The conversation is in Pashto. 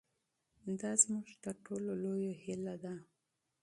دا زموږ تر ټولو لویه هیله ده.